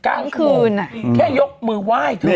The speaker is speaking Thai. แค่ยกมือไหว้